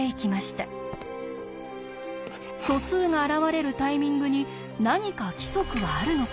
素数が現れるタイミングに何か規則はあるのか？